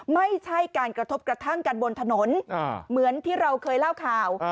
ไม่ใช่การกระทบกระทั่งกันบนถนนเหมือนที่เราเคยเล่าข่าว